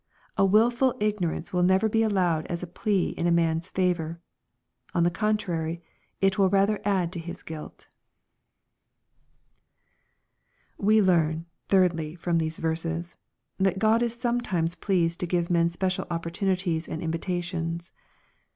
A wilful ig norance will never be allowed as a plea in a man's favor On the contrary, it will rather add to his guilt We learn, thirdly, from these verses, that God is some times pleased to give meii special opportunities andinvita tions.